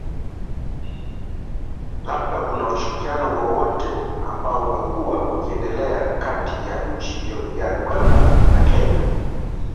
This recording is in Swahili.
labda kuna ushirikiano wowote ambao umekuwa ukiendelea kati ya nchi ya uganda na kenya